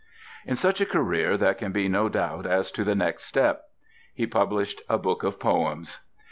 In such a career there can be no doubt as to the next step. He published a book of poems.